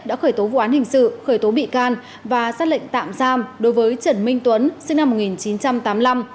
đã khởi tố vụ án hình sự khởi tố bị can và xác lệnh tạm giam đối với trần minh tuấn sinh năm một nghìn chín trăm tám mươi năm